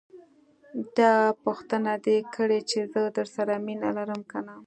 داح پوښتنه دې کړې چې زه درسره مينه لرم که نه.